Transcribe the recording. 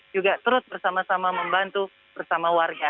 juga terus bersama sama membantu bersama warga